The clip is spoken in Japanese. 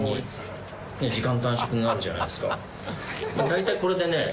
大体これでね。